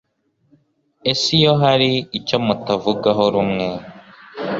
Ese iyo hari icyo mutavugaho rumwe